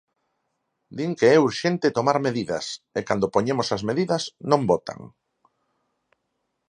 Din que é urxente tomar medidas, e cando poñemos as medidas, non votan.